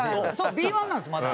Ｂ１なんですまだ。